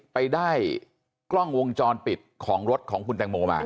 ไปได้กล้องวงจรปิดของรถของคุณแตงโมมา